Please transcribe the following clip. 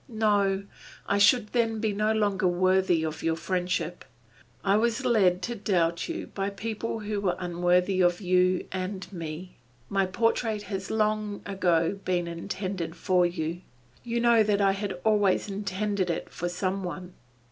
No! I should then be no longer worthy of your friendship. I was led to doubt you by people who were unworthy of you and of me. My portrait has long ago been intended for you. You know that I had always intended it for some one.